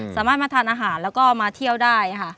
สามารถมาทานอาหารแล้วก็มาเที่ยวได้ค่ะ